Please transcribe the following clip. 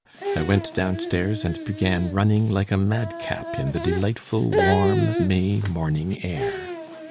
I went downstairs, and began running like a madcap in the delightful, warm May morning air.